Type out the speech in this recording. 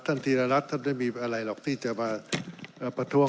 ธีรรัฐท่านไม่มีอะไรหรอกที่จะมาประท้วง